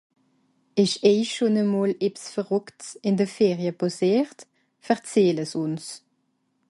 esch eich schon a mol ebs verrùckts ìn de Ferie pàssiert verzähle's uns